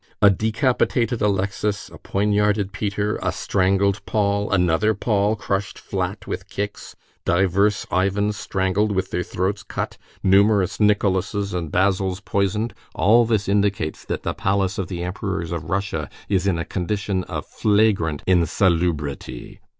A decapitated Alexis, a poignarded Peter, a strangled Paul, another Paul crushed flat with kicks, divers Ivans strangled, with their throats cut, numerous Nicholases and Basils poisoned, all this indicates that the palace of the Emperors of Russia is in a condition of flagrant insalubrity.